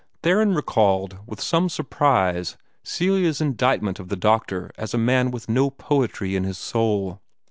Theron recalled with some surprise Celia's indictment of the doctor as a man with no poetry in his soul.